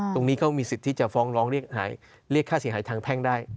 ตรงนี้เขามีสิทธิ์ที่จะฟ้องร้องเรียกค่าเสียหายทางแพ่งได้